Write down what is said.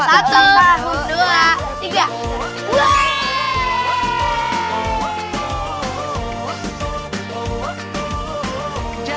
satu dua tiga